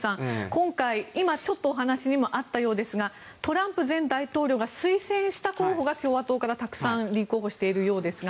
今回、今ちょっとお話にもあったようですがトランプ前大統領が推薦した候補が共和党からたくさん立候補しているようですが